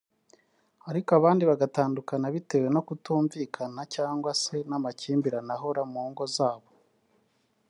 ariko abandi bagatandukana bitewe no kutumvikana cyangwa se n’amakimbirane ahora mu ngo zabo